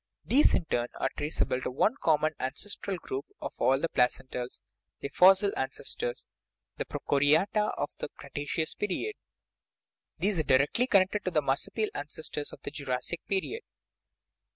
These, in turn, are traceable to one common ancestral group of all the placentals, their fossil ances tors, the prochoriata of the Cretaceous period. These are directly connected with the marsupial ancestors of the Jurassic period.